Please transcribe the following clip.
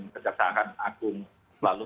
kejaksaan agung lalu